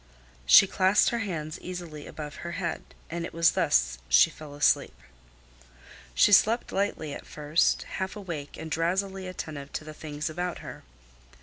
She clasped her hands easily above her head, and it was thus she fell asleep. She slept lightly at first, half awake and drowsily attentive to the things about her.